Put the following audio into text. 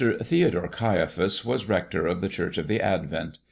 THEODORE CAIAPHAS was rector of the Church of the Advent.